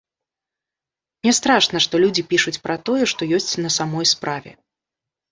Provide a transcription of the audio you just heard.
Не страшна, што людзі пішуць пра тое, што ёсць на самой справе.